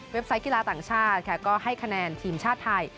ไซต์กีฬาต่างชาติค่ะก็ให้คะแนนทีมชาติไทย